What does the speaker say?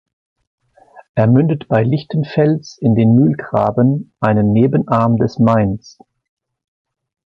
Er mündet bei Lichtenfels in den Mühlgraben, einen Nebenarm des Mains.